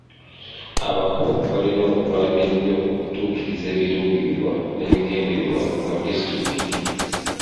Abakungu balina okulwana ennyo okutuukiriza ebiruubirirwa n'ebigendererwa mu disitulikiti.